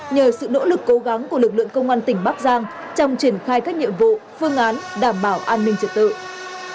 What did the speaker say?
nhờ sự nỗ lực cố gắng của lực lượng công an tỉnh bắc giang trong triển khai các nhiệm vụ phương án đảm bảo an ninh trật tự